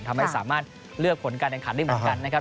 ทำให้สามารถเลือกผลการตัดขัดได้หมดกันนะครับ